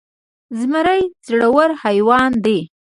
زمری زړور حيوان دی.